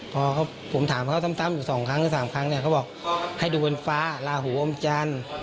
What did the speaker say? พอผมถามเขาซ้ำอยู่สองครั้งหรือ๓ครั้งเนี่ยเขาบอกให้ดูบนฟ้าลาหูอมจันทร์